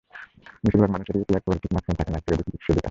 বেশির ভাগ মানুষেরই এটি একেবারে ঠিক মাঝখানে থাকে না, একটু এদিক-ওদিক আছে।